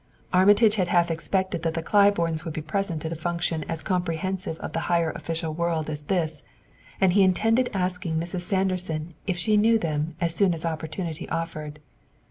Armitage had half expected that the Claibornes would be present at a function as comprehensive of the higher official world as this, and he intended asking Mrs. Sanderson if she knew them as soon as opportunity offered.